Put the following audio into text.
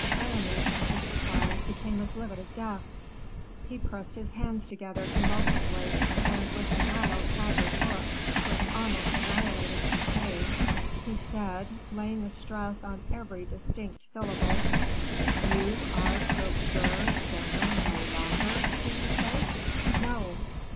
Aramis, at this reply, became as livid as death; he pressed his hands together convulsively, and with a wild, haggard look, which almost annihilated Fouquet, he said, laying a stress on every distinct syllable, "You are procureur general no longer, do you say?" "No."